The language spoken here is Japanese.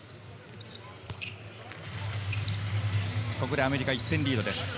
ここでアメリカが１点リードです。